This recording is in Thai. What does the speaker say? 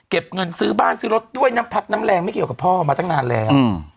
เงินซื้อบ้านซื้อรถด้วยน้ำพักน้ำแรงไม่เกี่ยวกับพ่อมาตั้งนานแล้ว